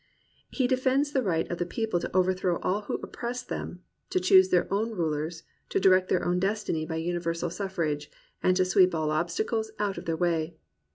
He defends the right of the people to overthrow all who oppress them, to choose their own rulers, to direct their own destiny by universal suffrage, and to sweep all obstacles out of their way.